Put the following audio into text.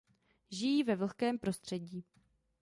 Žijí ve vlhkém prostředí.